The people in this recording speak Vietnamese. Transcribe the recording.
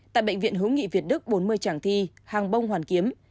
tại bệnh viện hiếu nghị việt đức bốn mươi trảng thi hàng bông hoàn kiếm